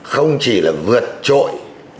không chỉ là vượt trội